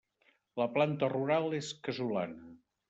La planta rural és casolana.